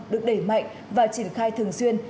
được đẩy mạnh và triển khai thường xuyên